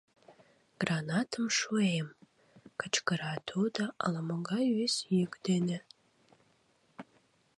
— Гранатым шуэм! — кычкыра тудо, ала-могай вес йӱк дене.